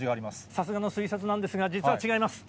さすがの推察なんですが、実は違います。